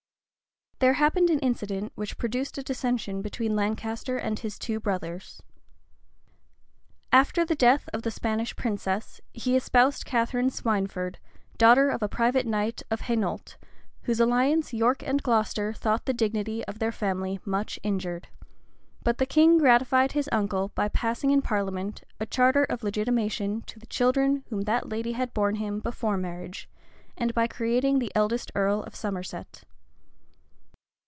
There happened an incident which produced a dissension between Lancaster and his two brothers. After the death of the Spanish princess, he espoused Catharine Swineford, daughter of a private knight of Hainault, by whose alliance York and Glocester thought the dignity of their family much injured; but the king gratified his uncle by passing in parliament a charter of legitimation to the children whom that lady had borne him before marriage, and by creating the eldest earl of Somerset.